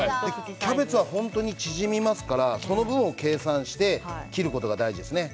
キャベツは縮みますからその分を計算して切ることが大事です。